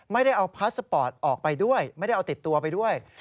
ไม่ได้เอาพาสปอร์ตออกไปด้วยไม่ได้เอาติดตัวไปด้วย